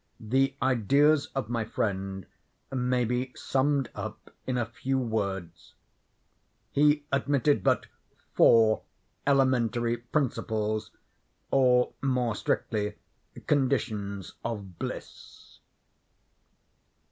The ideas of my friend may be summed up in a few words. He admitted but four elementary principles, or more strictly, conditions of bliss.